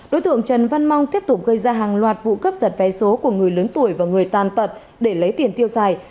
đối tượng trần văn mong tiếp tục gây ra hàng loạt vụ cướp giật vé số của người lớn tuổi và người tàn tật để lấy tiền tiêu xài